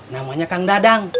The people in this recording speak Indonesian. namanya kang dadang